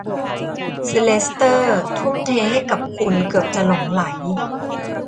เซอร์เลสเตอร์ทุ่มเทให้กับคุณเกือบจะหลงใหล